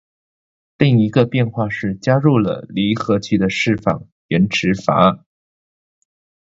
另一个变化是加入了离合器的释放延迟阀。